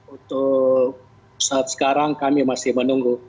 untuk saat sekarang kami masih menunggu